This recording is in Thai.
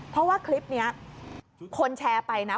เพราะว่าคลิปนี้คนแชร์ไปนะ